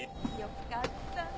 よかったね